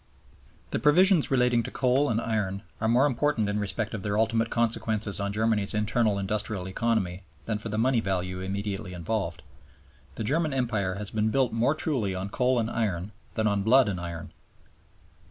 II The provisions relating to coal and iron are more important in respect of their ultimate consequences on Germany's internal industrial economy than for the money value immediately involved. The German Empire has been built more truly on coal and iron than on blood and iron.